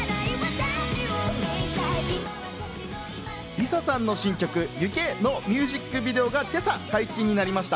ＬｉＳＡさんの新曲『往け』のミュージックビデオが今朝解禁になりました。